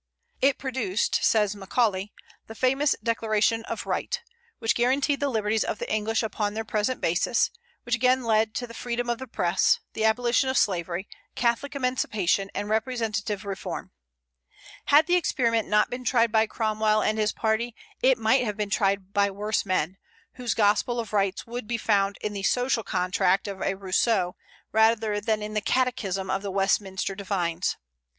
"It produced," says Macaulay, "the famous Declaration of Right, which guaranteed the liberties of the English upon their present basis; which again led to the freedom of the press, the abolition of slavery, Catholic emancipation, and representative reform," Had the experiment not been tried by Cromwell and his party, it might have been tried by worse men, whose gospel of rights would be found in the "social contract" of a Rousseau, rather than in the "catechism" of the Westminster divines.